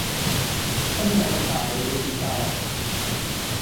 新界咁大你住曬呀！